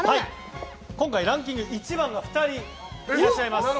今回、ランキングは１番が２人いらっしゃいます。